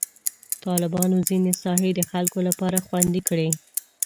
طالبانو ځینې ساحې د خلکو لپاره خوندي کړي.